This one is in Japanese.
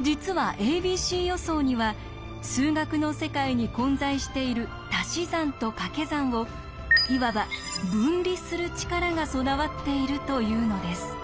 実は「ａｂｃ予想」には数学の世界に混在しているたし算とかけ算をいわば分離する力が備わっているというのです。